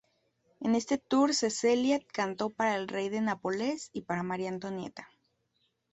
En este tour Cecilia cantó para el Rey de Nápoles y para María Antonieta.